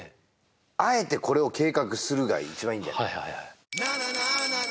あえてこれを計画するが一番いいんじゃない？